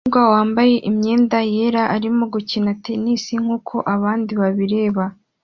Umukobwa wambaye imyenda yera arimo gukina tennis nkuko abandi babireba